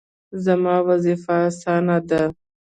زما وظیفه اسانه ده